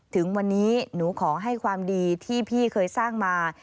ถึงวันนี้หนูขอให้ความดีที่พี่เคยสร้างมา